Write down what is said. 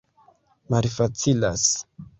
malfacilas